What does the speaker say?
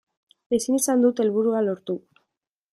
Ezin izan dut helburua lortu.